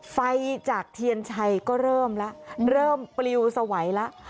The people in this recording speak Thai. ไฟจากเทียนชัยก็เริ่มแล้วเริ่มปลิวสวัยแล้ว